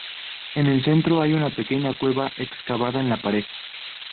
En el centro hay una pequeña cueva excavada en la pared.